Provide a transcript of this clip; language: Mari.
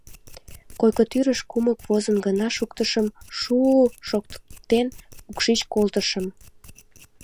Койко тӱрыш кумык возын гына шуктышым — шу-у-у-у шоктыктен, укшич колтышым.